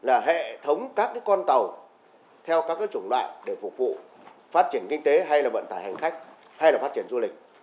là hệ thống các con tàu theo các chủng loại để phục vụ phát triển kinh tế hay là vận tải hành khách hay là phát triển du lịch